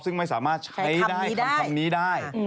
ซึ่งไม่สามารถใช้ได้คำนี้ได้